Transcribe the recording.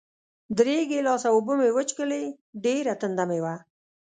درې ګیلاسه اوبه مې وڅښلې، ډېره تنده مې وه.